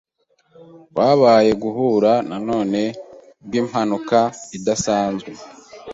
Twabaye guhura nanone kubwimpanuka idasanzwe.